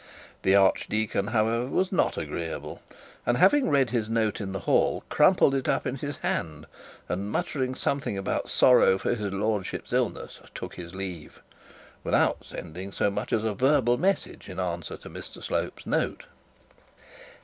The archdeacon, however, was not agreeable, and having read his note in the hall, crumpled it up in his hand, and muttering something about sorrow for his lordship's illness, took his leave, without sending as much as a verbal message in answer to Mr Slope's note.